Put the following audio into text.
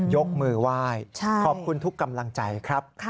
ยกมือไหว้ขอบคุณทุกกำลังใจครับ